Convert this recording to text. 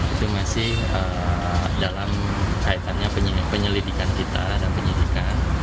itu masih dalam kaitannya penyelidikan kita dan penyidikan